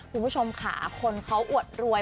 คุณผู้ชมค่ะคนเขาอวดรวย